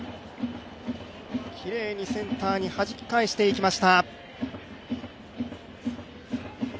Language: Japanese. きれいにセンターに、はじき返していきました。